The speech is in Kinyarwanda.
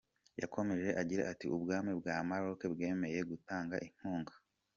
Yakomeje agira ati “Ubwami bwa Maroc bwemeye gutanga inkunga.